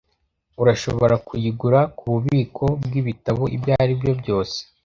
Urashobora kuyigura kububiko bwibitabo ibyo aribyo byose.